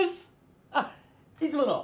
あっいつもの？